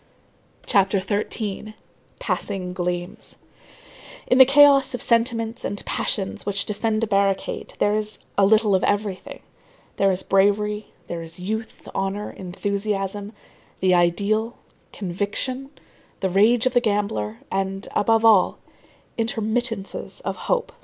CHAPTER XIII—PASSING GLEAMS In the chaos of sentiments and passions which defend a barricade, there is a little of everything; there is bravery, there is youth, honor, enthusiasm, the ideal, conviction, the rage of the gambler, and, above all, intermittences of hope.